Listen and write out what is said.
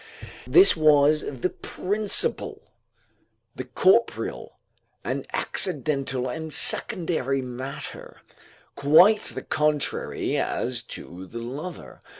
This was the principal; the corporeal, an accidental and secondary matter; quite the contrary as to the lover.